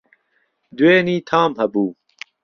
دوێنی تام هەبوو